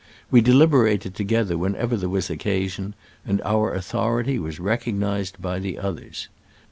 We deliberated together whenever there was occasion, and our authority was recognized by the others.